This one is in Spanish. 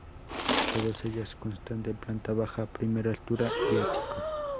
Todas ellas constan de planta baja, primera altura y ático.